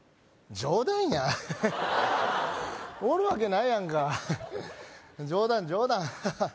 冗談やエヘヘッおるわけないやんか冗談冗談ハハッ